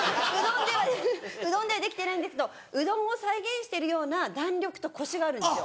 うどんではできてないんですけどうどんを再現してるような弾力とコシがあるんですよ。